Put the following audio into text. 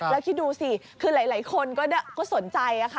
แล้วดูซิคือหลายคนก็สนใจ